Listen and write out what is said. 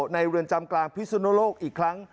เรือนจำกลางพิสุนโลกอีกครั้ง